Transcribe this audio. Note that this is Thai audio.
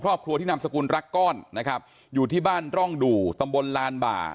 ครอบครัวที่นามสกุลรักก้อนนะครับอยู่ที่บ้านร่องดู่ตำบลลานบ่า